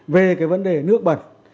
về cái vấn đề nước bẩn